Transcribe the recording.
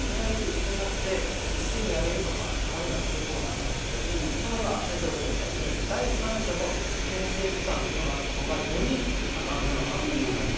他の地域で組合と一緒になって一斉にやめるとか、判断してるところもありますんで、先生がおっしゃったみたいに第三者の牽制期間というのがあったほうがより安全なのかなという気がしました。